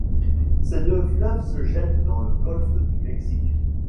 Ces deux fleuves se jettent dans le golfe du Mexique.